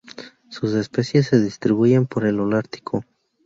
Sus especies se distribuyen por el holártico.